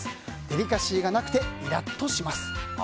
デリカシーがなくてイラッとします。